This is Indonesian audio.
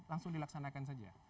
langsung dilaksanakan saja